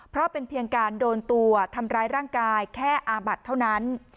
เพราะเป็นเพียงการโดนตัวทำร้ายร่างกายแค่อาบัดเท่านั้น